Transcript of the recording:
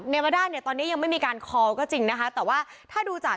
มาด้าเนี่ยตอนนี้ยังไม่มีการคอก็จริงนะคะแต่ว่าถ้าดูจาก